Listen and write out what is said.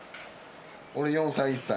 俺４歳・１歳。